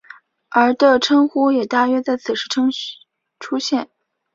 而的称呼也大约在此时出现。